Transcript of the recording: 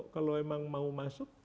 kalau emang mau masuk